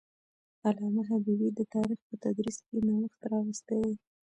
علامه حبيبي د تاریخ په تدریس کې نوښت راوستی دی.